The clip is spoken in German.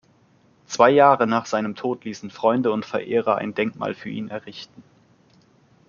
Zwei Jahre nach seinem Tod ließen Freunde und Verehrer ein Denkmal für ihn errichten.